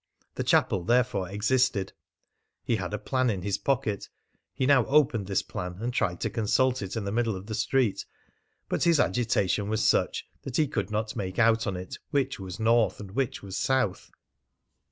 The chapel therefore existed. He had a plan in his pocket. He now opened this plan and tried to consult it in the middle of the street, but his agitation was such that he could not make out on it which was north and which was south.